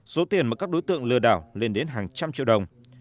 số tiền mà các đối tượng lừa đảo lên đến hàng trăm triệu đồng